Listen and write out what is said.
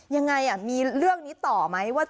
ยังไงมีเรื่องนี้ต่อไหมว่า